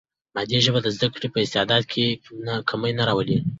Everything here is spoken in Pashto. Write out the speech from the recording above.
مادي ژبه د زده کوونکي په استعداد کې کمی نه راولي.